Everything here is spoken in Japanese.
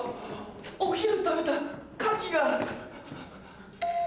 お昼食べたカキが。